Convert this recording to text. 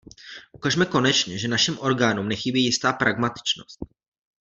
Ukažme konečně, že našim orgánům nechybí jistá pragmatičnost!